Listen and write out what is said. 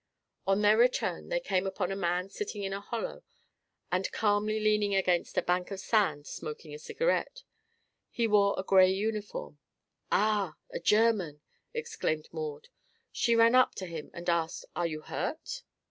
On their return they came upon a man sitting in a hollow and calmly leaning against a bank of sand, smoking a cigarette. He wore a gray uniform. "Ah, a German!" exclaimed Maud. She ran up to him and asked: "Are you hurt?"